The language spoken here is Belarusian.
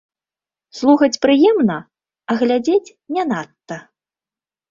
Слухаць прыемна, а глядзець не надта.